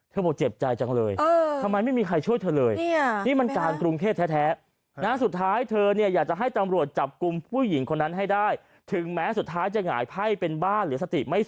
เธอบอกเจ็บใจจังเลยทำไมไม่มีใครช่วยเธอเลยนี่มันการกรุงเคศแท้